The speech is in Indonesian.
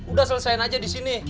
udah selesain aja disini